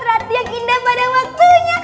rat yang indah pada waktunya